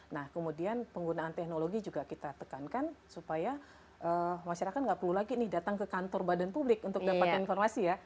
nah kemudian penggunaan teknologi juga kita tekankan supaya masyarakat nggak perlu lagi nih datang ke kantor badan publik untuk dapat informasi ya